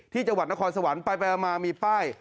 ที่จังหวัดนครสวรรค์ไปมามีป้าย